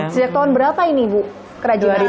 sejak tahun berapa ini bu kerajinan ini